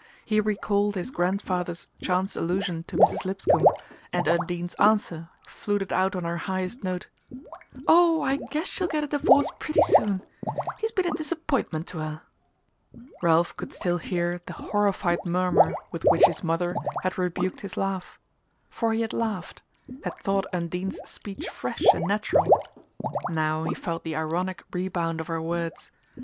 He recalled his grandfather's chance allusion to Mrs. Lipscomb, and Undine's answer, fluted out on her highest note: "Oh, I guess she'll get a divorce pretty soon. He's been a disappointment to her." Ralph could still hear the horrified murmur with which his mother had rebuked his laugh. For he had laughed had thought Undine's speech fresh and natural! Now he felt the ironic rebound of her words.